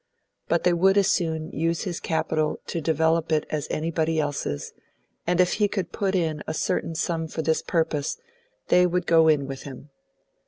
But they would as soon use his capital to develop it as anybody else's, and if he could put in a certain sum for this purpose, they would go in with him.